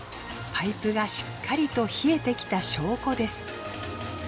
パイプがしっかりと冷えてきた証拠です。